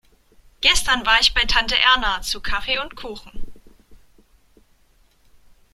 Gestern war ich bei Tante Erna zu Kaffee und Kuchen.